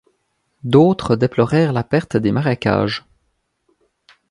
D'autres déplorèrent la perte des marécages.